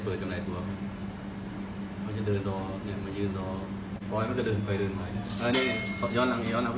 รอเปิดจำหน่ายตัวค่ะตรงนี้เจ้าที่ยังไม่ได้เปิดจำหน่ายตัว